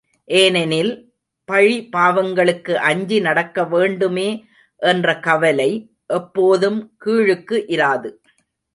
ஏனெனில், பழிபாவங்களுக்கு அஞ்சி நடக்கவேண்டுமே என்ற கவலை எப்போதும் கீழுக்கு இராது.